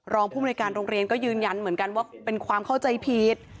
ผู้มนุยการโรงเรียนก็ยืนยันเหมือนกันว่าเป็นความเข้าใจผิด